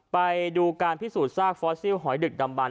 ไปดูการพิสูจนซากฟอสซิลหอยดึกดำบัน